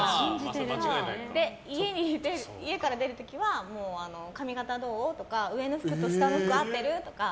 家にいて、家から出る時は髪形どう？とか上の服としたの服合ってる？とか